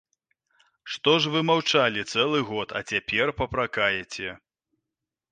Што ж вы маўчалі цэлы год, а цяпер папракаеце?